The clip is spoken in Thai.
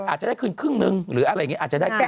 อาจจะได้คืนครึ่งนึงหรืออะไรอย่างนี้อาจจะได้แค่